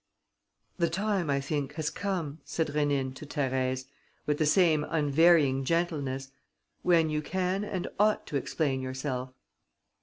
"The time, I think, has come," said Rénine to Thérèse, with the same unvarying gentleness, "when you can and ought to explain yourself."